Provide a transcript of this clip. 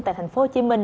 tại thành phố hồ chí minh